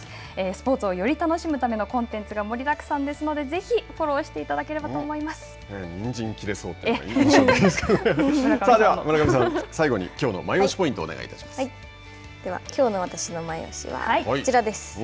スポーツをより楽しむためのコンテンツが盛りだくさんですのでぜひフォローしていただければと思では村上さん最後に、きょうのでは、きょうの私のマイオシはこちらです。